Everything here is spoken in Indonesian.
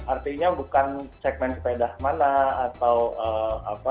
artinya bukan segmen sepeda mana atau apa